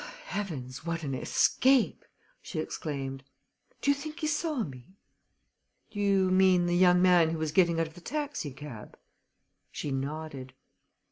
"Heavens, what an escape!" she exclaimed. "Do you think he saw me?" "Do you mean the young man who was getting out of the taxicab?" She nodded.